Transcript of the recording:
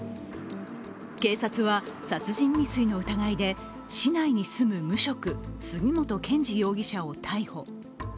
警察は殺人未遂の疑いで市内に住む無職杉本健治容疑者を逮捕。